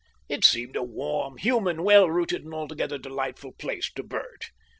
It seemed a warm, human, well rooted, and altogether delightful place to Bert.